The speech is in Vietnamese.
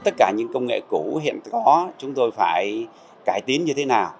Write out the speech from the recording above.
tất cả những công nghệ cũ hiện có chúng tôi phải cải tiến như thế nào